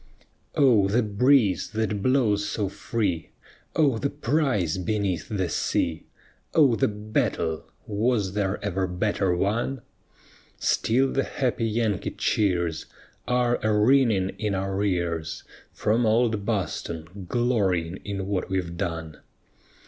Oh, the breeze that blows so free! Oh, the prize beneath the sea! Oh, the battle! was there ever better won? Still the happy Yankee cheers Are a ringing in our ears From old Boston, glorying in what we've done.